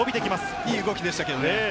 いい動きでしたけどね。